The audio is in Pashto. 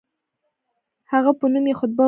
هغه په نوم یې خطبه وویل.